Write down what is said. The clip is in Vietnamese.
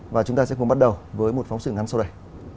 và chúng ta sẽ cùng bắt đầu với một phóng sự ngắn sau đây